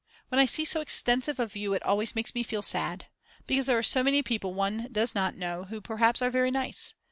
When I see so extensive a view it always makes me feel sad. Because there are so many people one does not know who perhaps are very nice.